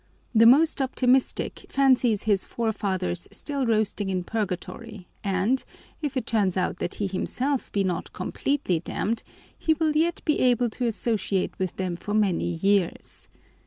The most optimistic fancies his forefathers still roasting in purgatory and, if it turns out that he himself be not completely damned, he will yet be able to associate with them for many years.